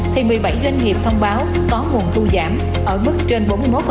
thì một mươi bảy doanh nghiệp thông báo có nguồn thu giảm ở mức trên bốn mươi một